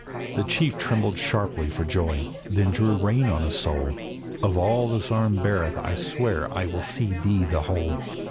The chief trembled sharply for joy, then drew rein on his soul: 'Of all this arm beareth I swear I will cede thee the whole.